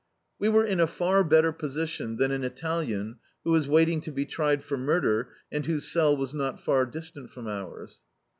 We were in a far better position than an Italian who was waiting to be tried for murder, and whose cell was not far distant from ours.